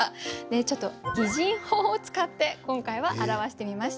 ちょっと擬人法を使って今回は表してみました。